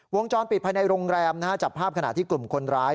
วงจรปิดภายในโรงแรมจับภาพขณะที่กลุ่มคนร้าย